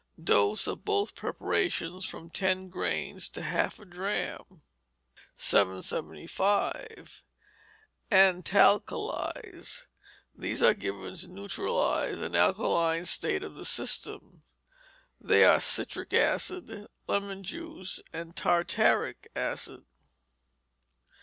Dose of both preparations, from 10 grains to half a drachm. 775. Antalkalies. These are given to neutralize an alkaline state of the system. They are citric acid, lemon juice, and tartaric acid.